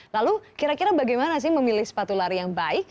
lalu kira kira bagaimana sih memilih sepatu lari yang baik